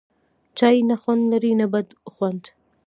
چای، نه خوند لري نه بد خوند